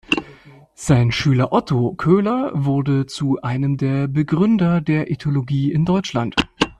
Sein Schüler Otto Koehler wurde zu einem der Begründer der Ethologie in Deutschland.